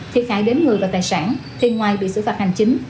thiệt hại đến người và tài sản thì ngoài bị xử phạt hành chính